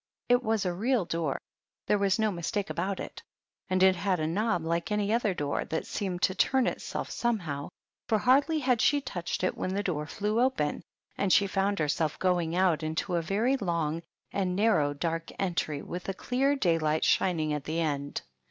It was a real door, there was no mistake about it. And it had a knob like any other door, that seemed to turn of itself somehow, for hardly had she touched it when the door flew open, and she found herself going out into a very long and narrow dark entry with clear daylight shining at the end.